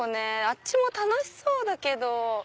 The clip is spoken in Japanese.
あっちも楽しそうだけど。